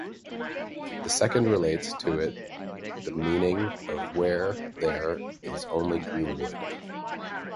The second relates to it the meaning of "where there is only green wood".